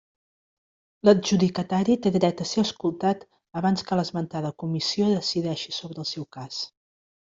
L'adjudicatari té dret a ser escoltat abans que l'esmentada Comissió decideixi sobre el seu cas.